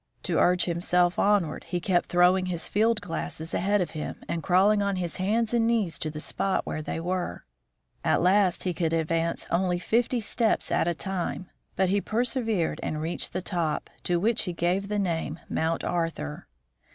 To urge himself onward, he kept throwing his field glasses ahead of him, and crawling on his hands and knees to the spot where they were. At last he could advance only fifty steps at a time, but he persevered and reached the top, to which he gave the name Mount Arthur.